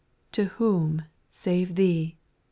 To whom, save Thee, etc.